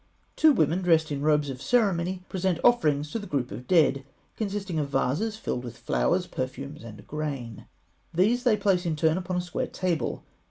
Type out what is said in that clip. Two women dressed in robes of ceremony present offerings to the group of dead, consisting of vases filled with flowers, perfumes, and grain. These they place in turn upon a square table.